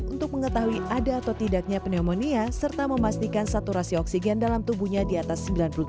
untuk mengetahui ada atau tidaknya pneumonia serta memastikan saturasi oksigen dalam tubuhnya di atas sembilan puluh delapan